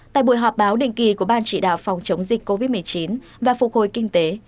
tại buổi họp báo định kỳ của ban chỉ đạo phòng chống dịch covid một mươi chín và phục hồi kinh tế